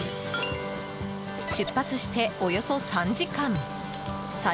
出発して、およそ３時間。